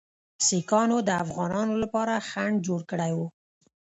سیکهانو د افغانانو لپاره خنډ جوړ کړی وو.